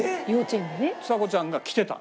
ちさ子ちゃんが来てた。